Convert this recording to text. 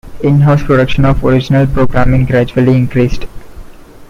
In-house production of original programming gradually increased.